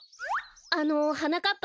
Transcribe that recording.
あのはなかっ